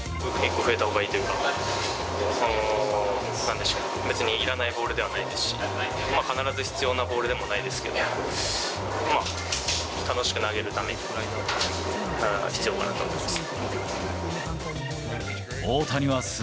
１個増えたほうがいいっていうか、なんでしょう、別にいらないボールではないですし、必ず必要なボールでもないですけど、楽しく投げるために必要かなと思います。